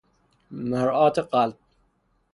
مرآت قلب